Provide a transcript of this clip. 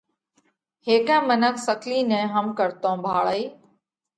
هيڪئہ منک سڪلِي نئہ هم ڪرتون ڀاۯئِي۔